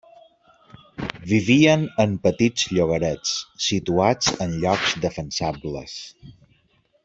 Vivien en petits llogarets, situats en llocs defensables.